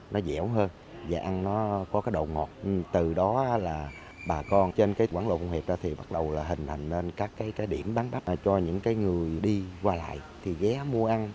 nó dẻo hơn và ăn nó có cái độ ngọt từ đó là bà con trên cái quảng lộ công nghiệp thì bắt đầu là hình thành lên các cái điểm bán đắp cho những cái người đi qua lại thì ghé mua ăn